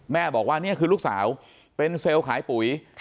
บอกว่านี่คือลูกสาวเป็นเซลล์ขายปุ๋ย